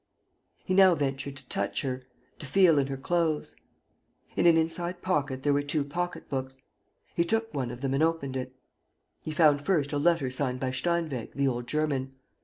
He now ventured to touch her, to feel in her clothes. In an inside pocket were two pocket books. He took one of them and opened it. He found first a letter signed by Steinweg, the old German.